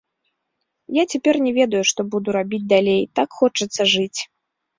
Я цяпер не ведаю, што буду рабіць далей, так хочацца жыць!